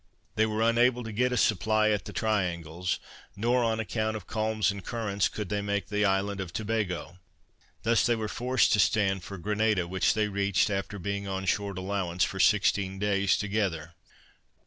They were unable to get a supply at the Triangles, nor on account of calms and currents, could they make the island of Tobago. Thus they were forced to stand for Grenada, which they reached, after being on short allowance for sixteen days together.